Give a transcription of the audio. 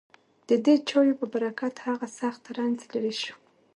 ددې چایو په برکت هغه سخت رنځ لېرې شو.